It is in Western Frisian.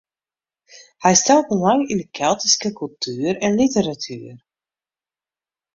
Hy stelt belang yn de Keltyske kultuer en literatuer.